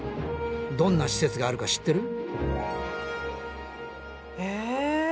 どんな施設があるか知ってる？え？